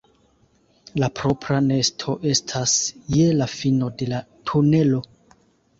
La propra nesto estas je la fino de la tunelo.